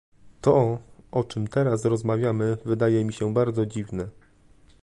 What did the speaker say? To, o czym teraz rozmawiamy wydaje mi się bardzo dziwne